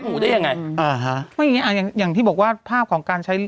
หรือภาพมันไม่ชัด